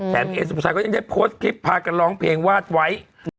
เอสุภาชัยก็ยังได้โพสต์คลิปพากันร้องเพลงวาดไว้